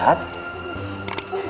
tante dewi lagi sakit